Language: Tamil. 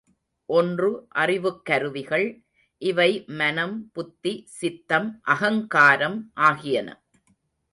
ஒன்று அறிவுக்கருவிகள், இவை மனம், புத்தி, சித்தம், அகங்காரம் ஆகியன.